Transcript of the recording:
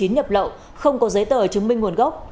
nhập lậu không có giấy tờ chứng minh nguồn gốc